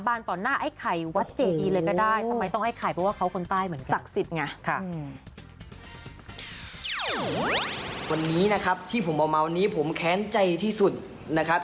วันนี้นะครับที่ผมเมานี้ผมแค้นใจที่สุดนะครับ